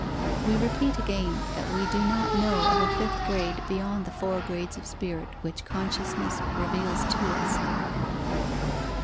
We repeat again that we do not know of a fifth grade beyond the four grades of spirit which consciousness reveals to us.